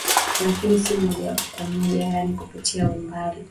Lakini si moja kwa moja yaani kupitia umbali